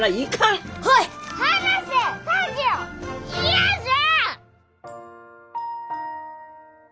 嫌じゃ！